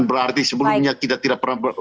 berarti sebelumnya kita tidak pernah